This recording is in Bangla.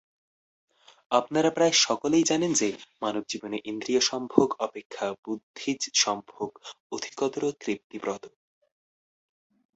আপনারা প্রায় সকলেই জানেন যে, মানবজীবনে ইন্দ্রিয়সম্ভোগ অপেক্ষা বুদ্ধিজ সম্ভোগ অধিকতর তৃপ্তিপ্রদ।